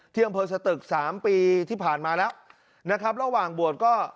ที่อำเภอสตึกสามปีที่ผ่านมาแล้วนะครับระหว่างบวชก็